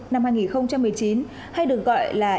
năm hai nghìn một mươi chín hay được gọi là